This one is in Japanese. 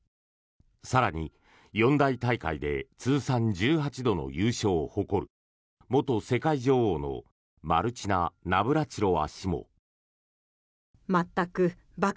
更に四大大会で通算１８度の優勝を誇る元世界女王のマルチナ・ナブラチロワ氏も。